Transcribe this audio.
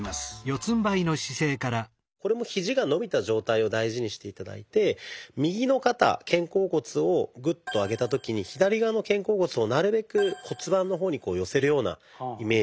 これもひじが伸びた状態を大事にして頂いて右の肩肩甲骨をグッと上げた時に左側の肩甲骨をなるべく骨盤の方に寄せるようなイメージ